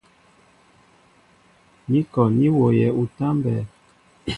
Ní kɔ ní wooyɛ utámbɛ́ɛ́.